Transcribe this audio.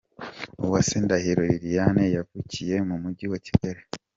Uwase Ndahiro Liliane yavukiye mu mujyi wa Kigali.